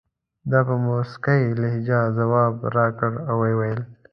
ده په موسکۍ لهجه ځواب راکړ او وویل.